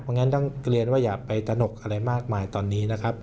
เพราะฉะนั้นต้องเรียนว่าอย่าไปตนกอะไรมากมายตอนนี้นะครับ